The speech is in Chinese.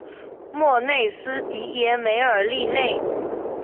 莫内斯蒂耶梅尔利内。